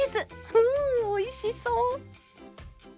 うんおいしそう！